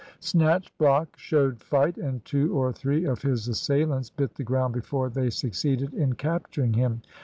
Snatchblock showed fight, and two or three of his assailants bit the ground before they succeeded in capturing him.